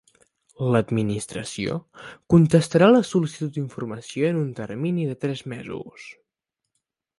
L'Administració contestarà les sol·licituds d'informació en un termini de tres mesos.